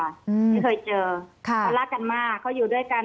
ไม่เคยเจอค่ะเขารักกันมากเขาอยู่ด้วยกัน